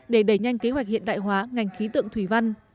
để đẩy nhanh kế hoạch hiện đại hóa ngành khí tượng thủy văn